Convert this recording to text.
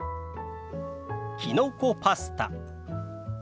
きのこパスタ。